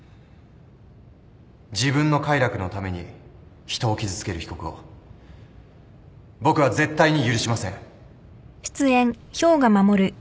自分の快楽のために人を傷つける被告を僕は絶対に許しません。